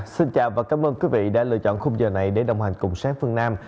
xin chào và cảm ơn quý vị đã lựa chọn khung giờ này để đồng hành cùng sát phương nam